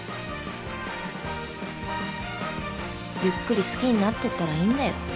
ゆっくり好きになってったらいいんだよ。